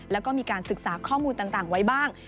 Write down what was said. แล้วก็มีการศึกษาข้อมูลต่างไว้บ้าง